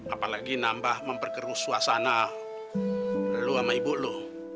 apalagi nambah memperkerus suasana lo sama ibu lo